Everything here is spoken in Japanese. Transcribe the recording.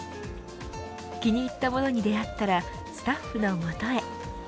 気に入ったものに出会ったらスタッフの元へ。